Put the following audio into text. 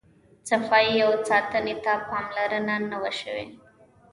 صفایي او ساتنې ته پاملرنه نه وه شوې.